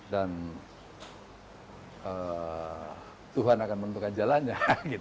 dan tuhan akan menentukan jalannya